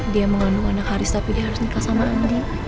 dia mengandung anak haris tapi dia harus nikah sama andi